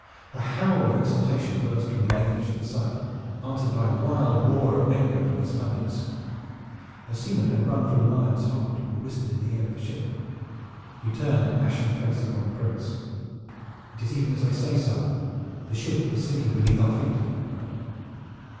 A howl of exultation burst from the English at the sight, answered by a wild roar of anger from the Spaniards. A seaman had run from the Lion's hold and whispered in the ear of the shipman. He turned an ashen face upon the Prince. "It is even as I say, sire. The ship is sinking beneath our feet!" he cried.